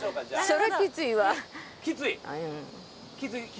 そりゃきついわ。